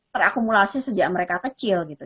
terakumulasi sejak mereka kecil gitu